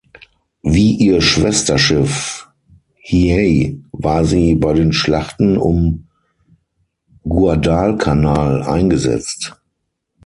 Wie ihr Schwesterschiff "Hiei" war sie bei den Schlachten um Guadalcanal eingesetzt.